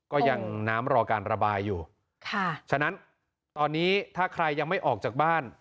ก็ยังน้ำรอการระบายอยู่ค่ะฉะนั้นตอนนี้ถ้าใครยังไม่ออกจากบ้าน